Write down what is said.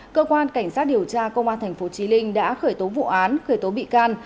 cơ quan cảnh sát điều tra công an tp chí linh đã khởi tố vụ án khởi tố bị can